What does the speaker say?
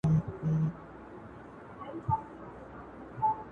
چي شرنګوي په خپله مېنه کي پردۍ زولنې -